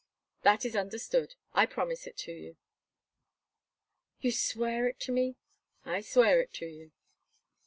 "That is understood; I promise it to you." "You swear it to me?" "I swear it to you."